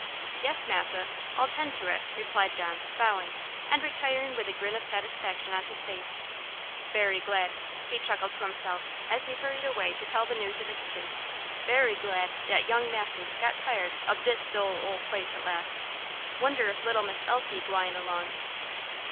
"Yes, Massa, I'll 'tend to it," replied John, bowing, and retiring with a grin of satisfaction on his face. "Berry glad," he chuckled to himself, as he hurried away to tell the news in the kitchen, "berry glad dat young Massa's got tired ob dis dull ole place at last. Wonder if little Miss Elsie gwine along."